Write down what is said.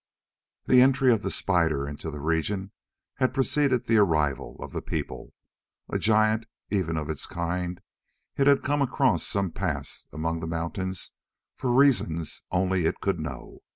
The entry of the spider into the region had preceded the arrival of the people. A giant, even of its kind, it had come across some pass among the mountains for reasons only it could know.